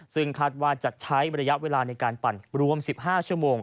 ซึ่งคาดว่าจะใช้ระยะเวลาในการปั่นรวม๑๕ชั่วโมง